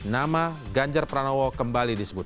nama ganjar pranowo kembali disebut